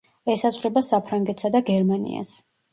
ესაზღვრება საფრანგეთსა და გერმანიას.